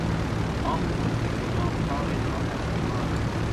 آن کهنه گنهکار ناپشیمان!